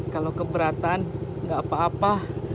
kalau keberatan nggak apa apa